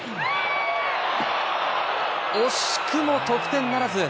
惜しくも得点ならず。